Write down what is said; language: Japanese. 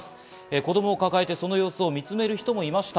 子供を抱えて、その様子を見つめる人もいました。